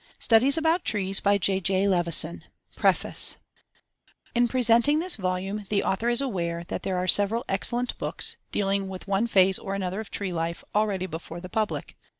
FIRST EDITION FIRST THOUSAND 1914 PREFACE In presenting this volume, the author is aware that there are several excellent books, dealing with one phase or another of tree life, already before the public.